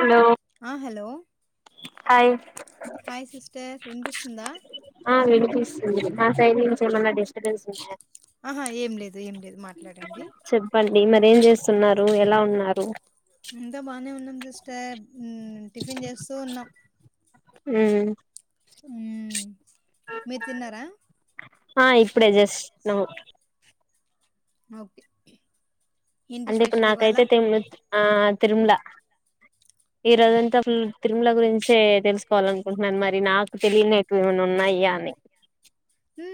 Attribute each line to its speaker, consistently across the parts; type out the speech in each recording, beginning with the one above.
Speaker 1: Hello
Speaker 2: ఆ hello hi sister వినిపిస్తుందా
Speaker 1: ఆ విడిపిస్తుంది నా సైడ్ నుంచి ఏమన్నా డిస్టబెన్స్ ఉంట
Speaker 2: ఆహా ఏం లేదు ఏం లేదు మాట్లాడండి
Speaker 1: అడి మరేం చేస్తున్నారు ఎలా ఉన్నారు
Speaker 2: ఇంకా బానే ఉన్నాం సిస్టర్ టిఫిన్ చేస్తూ ఉన్నాం
Speaker 1: ఉ
Speaker 2: ఊ
Speaker 1: ఆ ఇప్పుడే జస్ట్ నువ్
Speaker 2: ఓకే ఏంటి
Speaker 1: అంటే ఇప్పుడు
Speaker 2: స్పెషల్ ఇవాళ
Speaker 1: నాకైతే తిమ్ ఆ తిరుమల ఈ రోజు అంతాఫుల్ తిరుమల గురించే తెలుసుకోవాలనుకుంటున్నాను మరి నాకు తెలియని ఎకువ ఏమన్నా ఉన్న న్నాయ్యని
Speaker 2: ఉ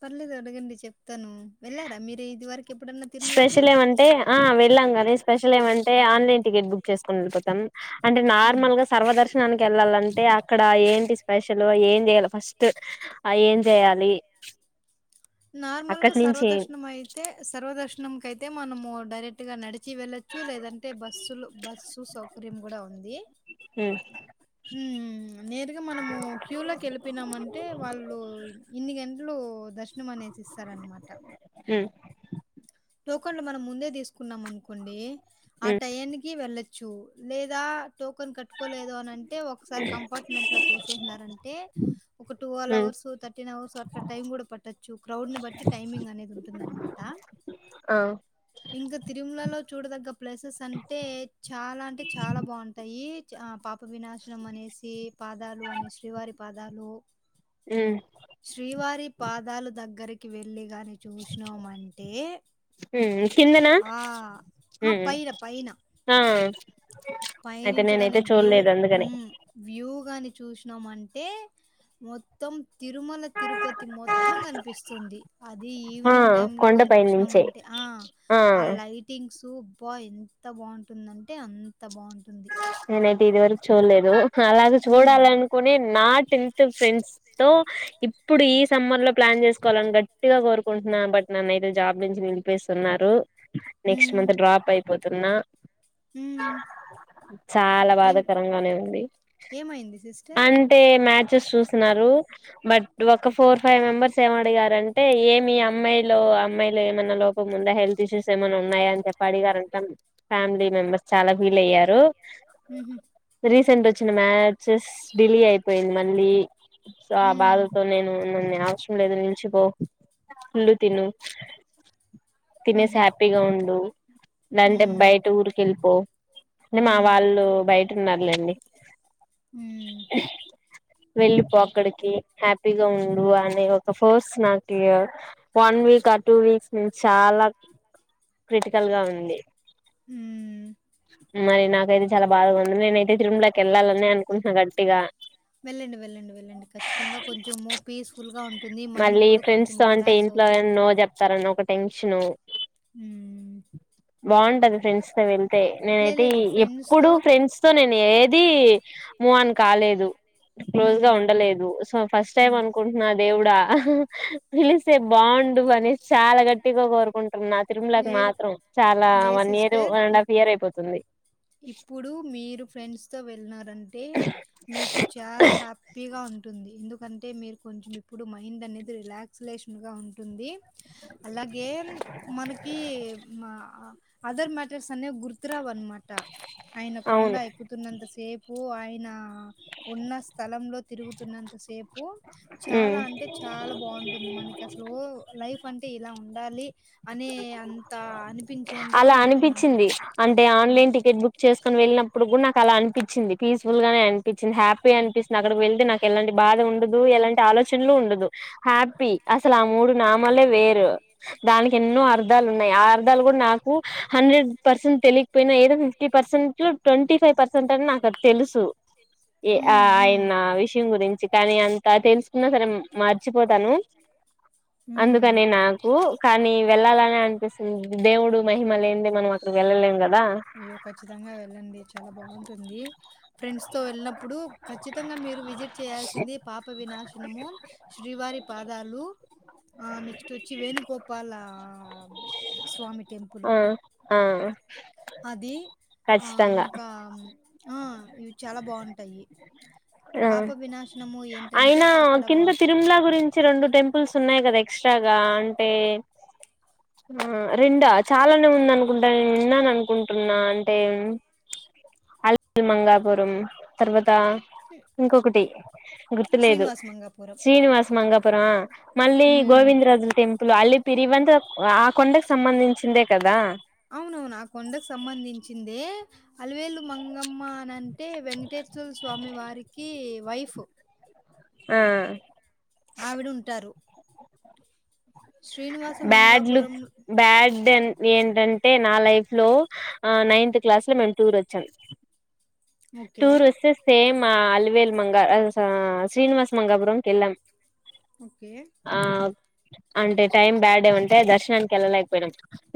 Speaker 2: పర్లేదు అడగండి చెప్తాను వెళ్ళారా మీరు ఇది వరకు ఎప్పుడన్నా తిరుమలకి
Speaker 1: స్పెషల్ ఏమంటే ఆ వెళ్ళాం కానీ స్పెషల్ ఏమంటే ఆన్లైన్ టికెట్ బుక్ చేసుకుని పోతం
Speaker 2: మ్
Speaker 1: నార్మల్ గా సర్వ దర్శనానికి వెళ్ళాలంటే అక్కడ ఏంటి స్పెషల్ ఏం చేయాలి ఫస్ట్ ఏం చేయాలి
Speaker 2: నార్మల్ గా
Speaker 1: అక్కడి నుంచి
Speaker 2: సర్వదర్శనం అయితే సర్వదర్శనం కయితే మనము డైరెక్ట్ గా నడిచ డిచి వెళ్ళొచ్చు లేదంటే బస్సులు బస్సు సౌకర్యం కూడా ఉంది
Speaker 1: [inaudible]
Speaker 2: మ్ నేరుగా మనము క్యూ లోకి వెళ్లిపినామంటే వాళ్ళు ఇన్ని గంటలు దశ మానేసి ఇస్తారనమాట
Speaker 1: ఉమ్
Speaker 2: టోకన్లు మనం ముందే తీసుకున్నాం అనుకోండి ఆ
Speaker 1: ఉమ్
Speaker 2: టైం కి వెళ్ళచ్చు చు లేదా టోకెన్ కట్టుకోలేదు అనింటే ఒకసారి కంపార్ట్మెంట్ లో కెసేసినారంటే ఒక టూవల్
Speaker 1: ఉమ్
Speaker 2: అవర్స్ థర్టీన్ అవర్స్ అట్లా టైమ్ కూడా పట్టొచ్చు క్రౌడ్ ని బట్టి టైమింగ్ అనేది ఉంటుందనమాట
Speaker 1: ఉమ్
Speaker 2: ఇంక తిరుమలలో చూడదగ్గ ప్లేసెస్ అంటే చాలా అంటే చాలా బాగుంటాయి వినాశనం అనేసి పాదాలు అనే శ్రీవారి పాదాలు శ్రీవారి పాదాలు దగ్గరికి వెళ్లి గాని చూసినాం అంటే
Speaker 1: మ్ కిందన
Speaker 2: ఆ
Speaker 1: మ్ ఆ అయితే నేనైతే
Speaker 2: పైనుంచిగానే వ్యూ
Speaker 1: చూడలేదు అందుకని
Speaker 2: మ్ వూ టుగాని చూసినాం అంటే మొత్తం తిరుమల తిరుపతి మొత్తం కనిపిస్తుంది అది
Speaker 1: ఆ
Speaker 2: ఈవినింగ్ టైమ్ లోగాని
Speaker 1: కొండపై
Speaker 2: చూస్
Speaker 1: నుంచే
Speaker 2: అంటే ఆ ఆ లైటింగ్స్ బోయ్ ఎంత బాగుంటుందంటే అంత బాగుంటుం
Speaker 1: నేనైతే ఇది వరకు చూడలేదు అలాగ
Speaker 2: హ్మ్.
Speaker 1: చూడాలనుకుని నాటి ఫ్రెండ్స్ తో ఇప్పుడు ఈ సమ్మర్ లో ప్లాన్ చేసుకోవాలని గట్టిగా కోరుకుంటున్నా బట్ నన్న జాబ్ నుంచి నిలిపిేస్తున్నారు నెక్స్ట్
Speaker 2: హ్మ్.
Speaker 1: మంత్ డ్రాప్ అయిపోతున్నా
Speaker 2: హ్మ్.
Speaker 1: చాలా
Speaker 2: ఏం
Speaker 1: బాధాకరంగానే ఉంది
Speaker 2: ఏమైంది సిస్టర్?
Speaker 1: అంటే మ్యాచెస్ చూస్తున్నారు బట్ ఒక ఫోర్ ఫైవ్ మెంబర్స్
Speaker 2: ఓకే.
Speaker 1: ఏమ అడిగారు అంటే ఏమి అమ్మాయిలో అమ్మాయిలు ఏమైన్నా లోపం ముంద హెల్త్ ఇష్యూస్ ఏమై ఉన్నాయా అని చెప్పి అడిగారు ఫ్యామిలీ మెంబర్స్ చాలా ఫీల్ అయ్యారు
Speaker 2: ఉహు
Speaker 1: రీసెంట్ వచ్చిన మ్యాచెస్ డిలే అయిపోయింది మళ్ళీ సో ఆ
Speaker 2: ఉమ్,
Speaker 1: బాధతో నేను [unintelligible] ఎదురు నిలిచి పో ఫుల్ తిను తినేసి
Speaker 2: ఉహు,
Speaker 1: హ్యాపీగా ఉండు నంటే
Speaker 2: ఉమ్,
Speaker 1: బయట ఊరికి వెళ్ళిపో తే మా
Speaker 2: ఉమ్,
Speaker 1: వాళ్ళు బయట ఉన్నారులేండి
Speaker 2: ఉ
Speaker 1: వెళ్ళిపో అక్కడికి హ్యాపీగా ఉండు అని ఒక ఫస్ట్ నాకు వన్ వీక్ ఇంకా టూ వీక్స్ నుంచి చాలా క్రిటికల్ గా ఉంది
Speaker 2: ఉమ్.
Speaker 1: మరి నాకైతే చాలా బాగా ఉంది నేనైతే తిరుమలకి వెళ్ళాలని అనుకుంటున్నా గట్టిగా
Speaker 2: వెళ్ళండి వెళ్ళండి వెళ్ళండి ఖచ్చితంగా కొంచెం పీస్ఫుల్ ఉంటుంది మైండ్
Speaker 1: మళ్ళీ
Speaker 2: కూడా
Speaker 1: ఫ్రెండ్స్ తో అంటే ఇంట్లో నో చెప్తారన్న ఒక టెన్షన్
Speaker 2: ఉ
Speaker 1: బాగుంటది ఫ్రెండ్స్ తో వెళ్తే నేనైతే
Speaker 2: లేదు ఫ్రెండ్స్తో
Speaker 1: ఎప్పుడు ఫ్రెండ్స్ తో నేను ఏది మూ్ అన్ కాలేదు క్లోజ్ గా
Speaker 2: ఉమ్,
Speaker 1: ఉండలేదు సో ఫస్ట్ టైమ్
Speaker 2: ఉమ్,
Speaker 1: అనుకుంటున్నా దేవుడు రా పిలిస్తే బాగుండు అనేసి చాలా గట్టిగా కోరుకుంటున్నా తిరుమలకి
Speaker 2: లేదు
Speaker 1: మాత్రం చాలా
Speaker 2: లే
Speaker 1: one year
Speaker 2: sister
Speaker 1: one and
Speaker 2: ఇప్
Speaker 1: హాఫ్ ఇయర్ అయిపోతుంది
Speaker 2: ఇప్పుడు మీరు ఫ్రెండ్స్ తో వెళ్ళిన్నారు అంటే మీకు చాలా హ్యాపీగా ఉంటు ఉంటుంది ఎందుకంటే మీరు కొంచెం ఇప్పుడు మైండ్ అనేది రిలాక్స్లేషన్ గా ఉంటుంది అలాగే మనకి మా ఆ అదర్ మ్యాటర్స్ అనే గుర్తురావు అనమాట ఆయన కొండ
Speaker 1: అవును
Speaker 2: ఎక్కుతున్నంత సేపు ఓ అయనా ఉన్న స్థలం లో తిరుగుతున్నంత సేపు
Speaker 1: ఉమ్
Speaker 2: చాలా అంటే చాలా బాగుంటుంది మనకి అసలు ఊ లైఫ్ అంటే ఇలా ఉండాలి అనే అంత అనిపించేంతగా
Speaker 1: అలా
Speaker 2: ఉంటుంది అంత బాగుంటుంది ఉ
Speaker 1: చేసుకొని వెళ్లినాం ఇప్పుడు కూడా నాకు అలా అనిపించింది పీస్ఫుల్ గానే అనిపించింది హ్యాపీగా అనిపిస్తుంది అక్కడికి వెళ్తే నాకు ఎలాంటి బాధ ఉండదు ఎలాంటి ఆలోచనలు ఉండదు హ్యాపీ అసలు ఆ మూడు నామాల వేరు దా ఎన్నో అర్థాలు ఉన్నాయి ఆ అర్థాలు కూడా నాకు హండ్రెడ్ పర్సెంట్ తెలికపోయినా ఏదో fifty percent twenty five percent అన్న నాకు అది తెలుసు ఆ
Speaker 2: హ్మ్. హ్మ్.
Speaker 1: ఆయన విషయం గురించి కానీ అంత తెలుసుకున్నా సరే మర్చిపో పోతాను
Speaker 2: హ్మ్.
Speaker 1: అందుకని నాకు కానీ వెళ్లాలని అనిపిస్తుంది దేవుడు మహిమ లేనిదే మనం అక్కడకి వెళ్ళలేం కదా
Speaker 2: అయ్యో ఖచ్చితంగా వెళ్ళండి చాలా బాగుంటుంది ఫ్రెండ్స్ తో వెళ్ళినప్పుడు ఖచ్చితంగా మీరు విజిట్ చేయాల్సింది పాప వినాశనము శ్రీవారి పాదాలు నెక్స్ట్ వచ్చి వేణుగోపాల స్వామి టెంపుల్
Speaker 1: ఆ ఆ
Speaker 2: అది ఆ
Speaker 1: ఖచ్చితంగా
Speaker 2: ఇంకా ఆ ఇవి చాలా బాగుంటాయి
Speaker 1: ఆ
Speaker 2: పాప వినాశనము ఏంటంటే అక్కడ వాటర్
Speaker 1: వచ్చి రెండు టెంపుల్స్ ఉన్నాయి కదా ఎక్స్ట్రాగా అంటే ఆ రెండా చాలానే ఉంద అనుకుంటాను నేను విన్నాను అనుకుంటున్నా అంటే అలివేలు మంగాపురం తర్వాత ఇంకొకటి గుర్తులేదు
Speaker 2: శ్రీనివాస మంగాపురం.
Speaker 1: శ్రీనివాస్ మంగపురం మళ్ళీ
Speaker 2: హ్మ్.
Speaker 1: గోవిందరాజుల టెంపుల్ అల్ పిరివంత ఆ కొండకి సంబంధించి
Speaker 2: అవునవును ఆ కొండకు సంబంధించింది అలివేలు మంగమ్మ అనింటే వెంకటేశ్వర స్వామి వారికి వైఫ్
Speaker 1: ఆ
Speaker 2: ఆవిడ ఉంటారు
Speaker 1: బ్యాడ్
Speaker 2: మంగాపురం
Speaker 1: లుక్ బ్యాడ్ ఏంటంటే నా లైఫ్ లో నైన్త్ క్లాస్ లో మేము టూర్ వచ్చాం
Speaker 2: okay.
Speaker 1: Tourist same Alivelu Manga Srinivas Mangapuram కిల్లం
Speaker 2: ఓకే
Speaker 1: అంటే టైమ్ బ్యాడ ఏమంటే దర్శనం దర్శనానికి వెళ్ళలేకపోయినా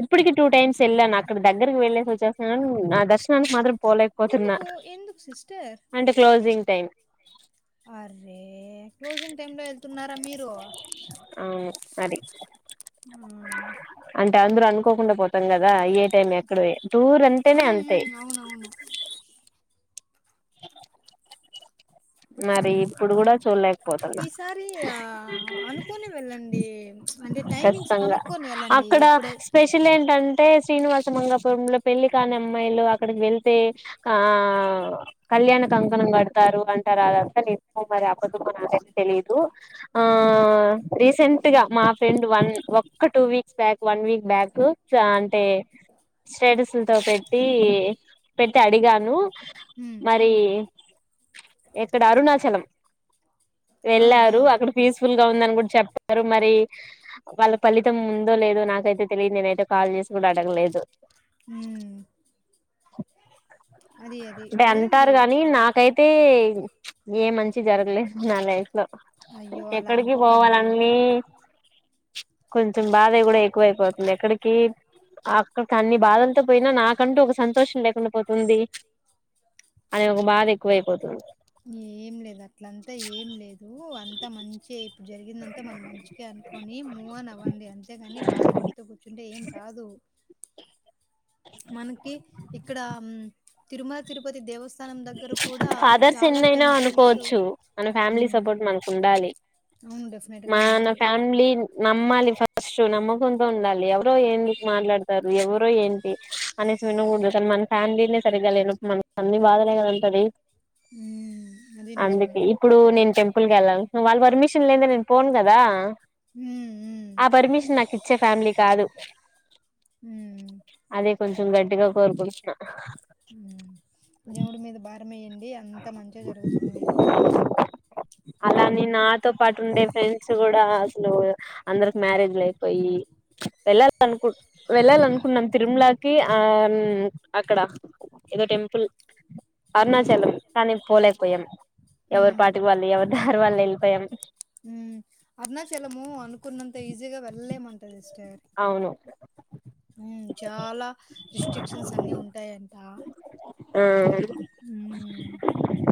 Speaker 1: ఇప్పటికి టూ టైమ్స్ వెళ్ళాను అక్కడ దగ్గరకి వెళ్ళేసి వచ్చేస్తున్నాను నా దర్శనానికి మాత్రం పోలేకపోతున్నా
Speaker 2: ఎందుకు?
Speaker 1: అంటే క్లోజింగ్ టైం
Speaker 2: అరే క్లోజింగ్ టైమ్ లో వెళ్తున్నారా మీరు
Speaker 1: అది
Speaker 2: ఆ
Speaker 1: అంటే అందరు అనుకోకుండా పోతాం కదా ట్రైన్ ఎక్కడ మే టూర్ అంటేనే
Speaker 2: హ్మ్.
Speaker 1: అంతే
Speaker 2: హ్మ్. అవునవును.
Speaker 1: మరి ఇప్పుడు కూడా చూలేక పోయినం
Speaker 2: ఈసారి ఆ అనుకోని వెళ్ళండి అంటే టైమింగ్స్
Speaker 1: ఖచ్చితంగా
Speaker 2: కనుక్కొని వెళ్ళండి
Speaker 1: అక్కడ
Speaker 2: ఎప్పుడే
Speaker 1: స్పెషల్ ఏంటంటే అంటే శ్రీనివాస మంగాపురంలో పెళ్లి కాని అమ్మాయిలు అక్కడికి వెళ్తే ఆ కళ్యాణ క అంకణం కడతారు అంటారు అదంత నిజమో మరి అబద్ధం నాకతే తెలీదు ఆ
Speaker 2: హ్మ్.
Speaker 1: రీసెంట్ గా మా ఫ్రెండ్ వన్ ఒక్క two weeks back one week back కూసా అంటే స్టేటస్ లతోపెట్టి పెట్టి అడిగాను
Speaker 2: హ్మ్.
Speaker 1: మరి చ్ ఇక్కడ అరుణాచలం
Speaker 2: ఆ! ఆ!
Speaker 1: వెళ్ళారు అక్కడ పీస్ఫుల్ గా ఉందని కూడా చెప్పారు మరి వాళ్ళ ఫలితం ముందో లేదో నాకైతే తెలియదు నేనైతే కాల్ చేసి కూడా అడగలేదు
Speaker 2: ఉమ్
Speaker 1: అంటే
Speaker 2: వెళ్ళండి
Speaker 1: అంటారు కానీ
Speaker 2: ఒకసారి
Speaker 1: నాకైతే ఏ మంచి జరగలేదు నా లైఫ్ లో
Speaker 2: అయ్యో అలా
Speaker 1: ఎక్కడికి
Speaker 2: అనుకోకండి
Speaker 1: పోవాలన్నీ కొంచెం బాధ కూడా ఎక్కువైపోతుంది ఎక్కడికి అక్కడకి అన్ని బాధలతో పోయినా నాకంటూ ఒక సంతోషం లేకుండా పోతుంది అది ఒక బాధ ఎక్కువైపోతుంది
Speaker 2: ఏం లేదు అట్లంతా ఏం లేదు అంతా మంచి ఇప్పుడు జరిగిందంటే మనం మంచిగా అనుకొని మూవ్ అన్ అవ్వండి అంతేగాని బాధపడుతూ కూర్చుంటే ఏం రాదు మనకి ఇక్కడ తిరుమల తిరుపతి దేవస్థానం దగ్గర కూడా
Speaker 1: ఫాదర్స్
Speaker 2: చాలా
Speaker 1: ఎన్నైనా
Speaker 2: టెంపుల్స్ ఉమ్
Speaker 1: అనుకోవచ్చు మన ఫ్యామిలీ సపోర్ట్ మనకు ఉండాలి
Speaker 2: అవును డెఫినెట్గా
Speaker 1: మా నా
Speaker 2: ఉండాలి
Speaker 1: ఫ్యామిలీ నమ్మాలి ఫస్ట్ నమ్మకుంతో ఉండాలి ఎవరో ఎందుకు మాట్లాడతారు ఎవరో ఏంటి అని వికూడదు కానీ మన ఫ్యామిలీ సరిగా లే మ అన్ని బాధలు కదంటది
Speaker 2: ఉమ్ అది నిజమే
Speaker 1: అందుకే ఇప్పుడు నేను టెంపుల్ క వెళ్ళాలి వాళ్ళ పర్మిషన్ లేద నేను పోను కదా
Speaker 2: ఉమ్ ఉమ్
Speaker 1: ఆ పర్మిషన్ నాకు ఇచ్చే ఫ్యామిలీ కాదు
Speaker 2: ఉ
Speaker 1: అదే కొంచెం గట్టిగా కోరుకుంటు న్నా
Speaker 2: దేవుడి మీద భారం వేయండి అంత మంచిగా జరుగుతుంది మీకు
Speaker 1: ఆ అలాని నాతో పాటు ఉండే ఫ్రెండ్స్ కూడా అసలు అందరికి మ్యారేజ్ లు అయిపోయి వెళ్ళాలనుకు వెళ్ళాలనుకున్నాం తిరుమలకి ఆ అక్కడ టెంపుల్ అరుణాచలం కానీ పోలేకపోయాం ఎవరు పాటికి వాళ్ళు ఎవరి దారి వాళ్ళుళ్ళి వయం
Speaker 2: హ అరుణచలము అనుకున్నంత ఈజీగా వెళ్లేమంటది ఇష్ట
Speaker 1: అవును
Speaker 2: చాలా రిస్ట్రిక్షన్స్ అన్ని ఉంటాయంట
Speaker 1: ఆ
Speaker 2: అ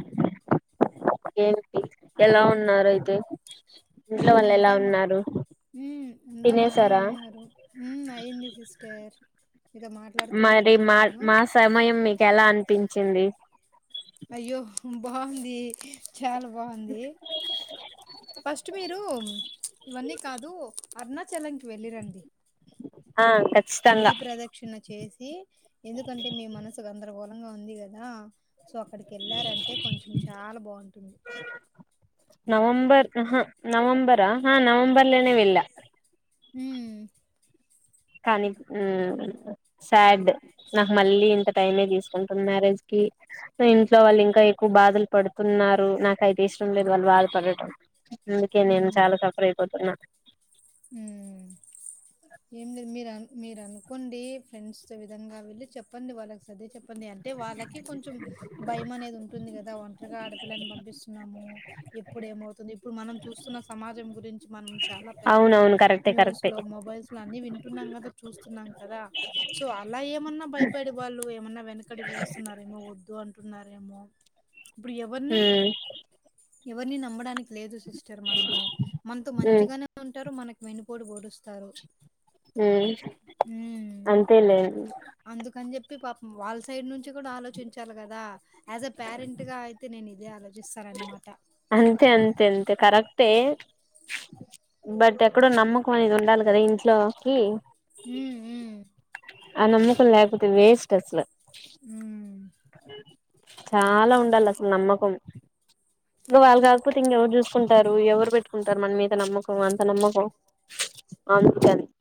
Speaker 1: ఏంటి ఎలా ఉన్నారు అయితే ఇంట్లో వాళ్ళు ఎలా
Speaker 2: అంతా బా
Speaker 1: ఉన్నారు
Speaker 2: అంతా బానే
Speaker 1: తినేసారా
Speaker 2: ఉన్నారు అయి్యంది సిస్ట ర
Speaker 1: మరి మా మా సమయం మీకు ఎలా అనిపించింది
Speaker 2: అయ్యో బాగుంది చాలా బాగుంది ఫస్ట్ మీరు ఇవన్నీ కాదు అరుణాచలంకి వెళ్ళిరండి
Speaker 1: ఆ
Speaker 2: గిరి
Speaker 1: ఖచ్చితంగా
Speaker 2: ప్రదక్షిణ చేసి ఎందుకంటే మీ మనసుకు అందరిగోలంగా ఉంది కదా సో అక్కడికి వెళ్ళారంటే కొంచెం చాలా బాగుంటుంది
Speaker 1: హ నవంబరా హ నవంబర్లనేవల్
Speaker 2: హ
Speaker 1: కానీ శాడ్ నాకు మళ్ళీ ఇంత టైమే తీసుకుంటుంది మ్యారేజ్ కి ఇంట్లో వాళ్ళు
Speaker 2: ఉమ్
Speaker 1: ఇంకా ఎక్కువ బాధలు పడుతున్నారు నాకయితే ఇష్టం లేదు వాళ్ళు బాధపడటం అందుకే నేన్
Speaker 2: ఉమ్
Speaker 1: చాలా సఫర ఇపోతు నా
Speaker 2: ఉమ్ ఏం లేదు మీరు అన్ మీరు అనుకోండి ఫ్రెండ్స్ విధంగా వెళ్ళి చెప్పండి వాళ్ళకి సదిే చెప్ప ఉంది అంటే వాళ్ళకి కొంచెం భయం అనేది ఉంటుంది కదా ఒంటరిగా ఆడపిల్లని పంపిస్తున్నాము ఎప్పుడేమవుతుంది ఇప్పుడు మనం చూస్తున్న సమాజం గురించి మనం చాలా
Speaker 1: అవునవును కరెక్టే
Speaker 2: న్యూస్
Speaker 1: కరెక్టే
Speaker 2: లో మొబైల్స్ లో అన్ని వింటున్నాం కదా చూస్తున్నాం కదా సో అలా ఏమన్నా భయ ప్పడి వాళ్ళు ఏమన్నా వెనకడు వేస్తున్నారేమో వద్దు అంటున్నారేమో ఇప్పుడు ఎవరిని
Speaker 1: మ్మ్
Speaker 2: ఎవరిని నమ్మడానికి లేదు సిస్టర్ మనము మనతో
Speaker 1: మ్మ్
Speaker 2: మంచిగానే ఉంటారు మనకు వెనుపోడి ఓడుస్తారు
Speaker 1: హ అంతే లేదు
Speaker 2: చెప్పి పాపం వాళ్ళ సైడ్ నుంచి కూడా ఆలోచించాలి కదా ఎస్ ఏ పేరెంట్ గా అయితే నే ఇదేలోచించ
Speaker 1: అంతే అంతే అంతే కరెక్టే బట్ ఎక్కడో నమ్మకం అనేది ఉండాలి కదా ఇంట్లోకి
Speaker 2: హ
Speaker 1: ఆ నమ్మకం లేకపోతే వేస్ట్ అసలు
Speaker 2: హ్మ్.
Speaker 1: చాలా ఉండాలి అసలు నమ్మకం ఇంకా వాళ్ళు కాకపోతే ఇంక ఎవరు చూసుకుంటారు ఎవరు పెట్టుకుంటారు మన మీద నమ్మకం అంత నమ్మకం అను